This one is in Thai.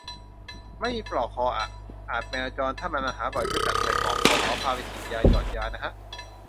ไม่มีปลอกคออะ อาจแมวจร ถ้ามันมาหาบ่อยจัดก็ใส่ปลอกคอ พาไปฉีดยา หยอดยานะฮะ